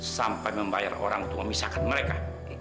sampai membayar orang untuk memisahkan mereka